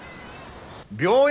病院